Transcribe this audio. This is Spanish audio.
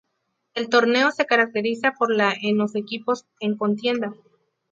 El torneo se caracteriza por la en los equipos en contienda.